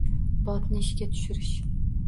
Botni ishga tushiring